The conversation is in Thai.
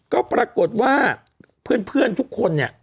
ก็ปรากฏว่าเพื่อนทุกคนเนี่ย